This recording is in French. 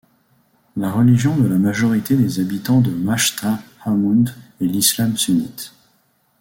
La religion de la majorité des habitants de Machta Hammoud est l'islam sunnite.